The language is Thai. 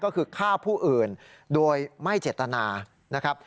ก็คือฆ่าผู้อื่นโดยไม่เจตนานะครับ